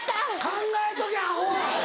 考えとけアホ。